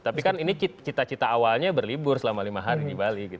tapi kan ini cita cita awalnya berlibur selama lima hari di bali